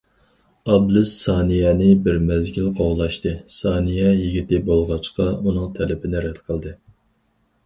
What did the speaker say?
ئابلىز سانىيەنى بىر مەزگىل قوغلاشتى، سانىيە يىگىتى بولغاچقا، ئۇنىڭ تەلىپىنى رەت قىلدى.